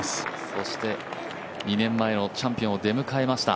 そして２年前のチャンピオンを出迎えました。